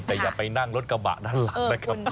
แต่อย่าไปนั่งรถกระบะด้านหลังนะครับ